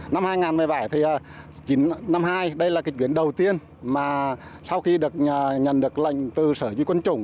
năm hai nghìn một mươi bảy thì chín trăm năm mươi hai đây là kịch biến đầu tiên mà sau khi được nhận được lệnh từ sở duy quân chủng